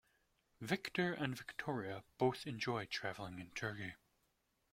Victor and Victoria both enjoy traveling in Turkey.